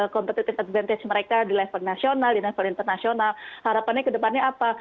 competitive advantage mereka di level nasional di level internasional harapannya ke depannya apa